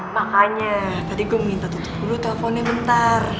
makanya tadi gue minta tutup dulu teleponnya bentar